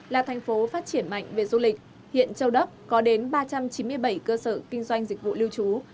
là thành phố phát triển mạnh về du lịch hiện châu đốc có đến ba trăm chín mươi bảy cơ sở kinh doanh dịch vụ lưu trú